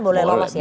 boleh lolos ya